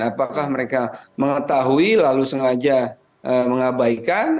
apakah mereka mengetahui lalu sengaja mengabaikan